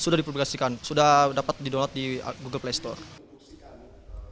sudah dipublikasikan sudah dapat didownload di google play store